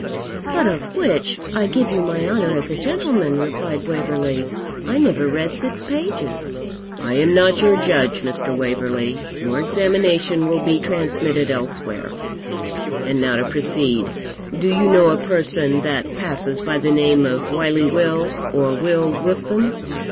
'But of which, I give you my honour as a gentleman,' replied Waverley, 'I never read six pages.' 'I am not your judge, Mr. Waverley; your examination will be transmitted elsewhere. And now to proceed. Do you know a person that passes by the name of Wily Will, or Will Ruthven?'